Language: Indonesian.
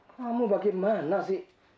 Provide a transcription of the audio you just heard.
kamu bagaimana sih